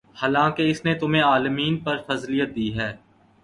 حالانکہ اس نے تمہیں عالمین پر فضیلت دی ہے